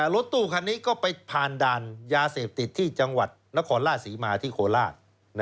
รถตู้คันนี้ก็ไปผ่านด่านยาเสพติดที่จังหวัดนครราชศรีมาที่โคราช